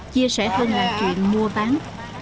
chia sẻ hơn là chuyện mua bán